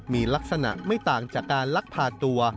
มีลักษณะไม่ต่างจากการลักพาตัว